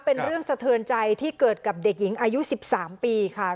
เป็นเรื่องสะเทือนใจที่เกิดกับเด็กหญิงอายุ๑๓ปีค่ะ